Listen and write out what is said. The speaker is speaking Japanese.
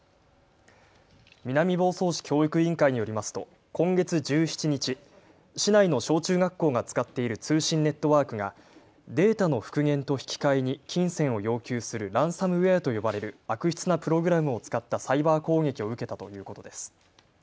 南房総市教育委員会によりますと今月１７日、市内の小中学校が使っている通信ネットワークがデータの復元と引き換えに金銭を要求するランサムウェアと呼ばれる悪質なプログラムを使ったサイバー攻撃を受けたということです。